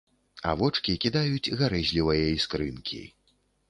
А вочкі кідаюць гарэзлівыя іскрынкі.